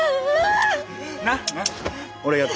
なっ？